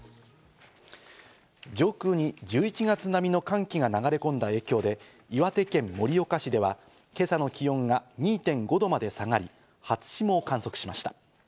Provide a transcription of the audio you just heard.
上空に１１月並みの寒気が流れ込んだ影響で、岩手県盛岡市では今朝の気温が２．５度まで下がり、初霜を観測しました。